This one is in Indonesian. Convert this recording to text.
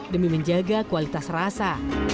demi menjaga kualitas rasa